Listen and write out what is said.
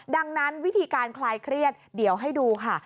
ดังนั้นวิธีการคลายเครียดเดี๋ยวให้ดูค่ะ